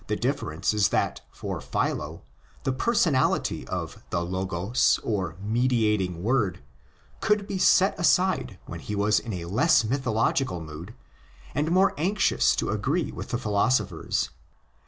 The difference is that for Philo the personality of the Logos, or mediating Word, could be set aside when he was in a less mythological mood and more anxious to agree with the philosophers.